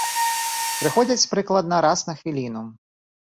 Прыходзяць прыкладна раз на хвіліну.